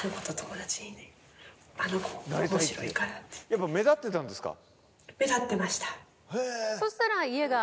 やっぱ目立ってたんですか？